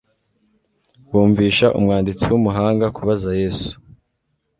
Bumvisha umwanditsi w'umuhanga kubaza Yesu